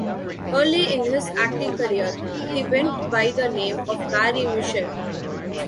Early in his acting career, he went by the name of Barry Mitchell.